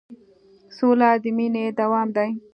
سوله د مینې دوام دی.